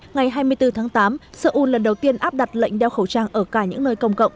ngày hai mươi bốn tháng tám seoul lần đầu tiên áp đặt lệnh đeo khẩu trang ở cả những nơi công cộng